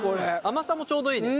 甘さもちょうどいいね。